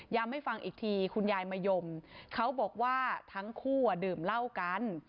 ให้ฟังอีกทีคุณยายมะยมเขาบอกว่าทั้งคู่ดื่มเหล้ากัน